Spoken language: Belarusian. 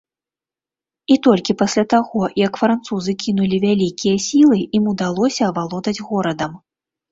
І толькі пасля таго, як французы кінулі вялікія сілы, ім удалося авалодаць горадам.